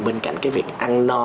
bên cạnh cái việc ăn no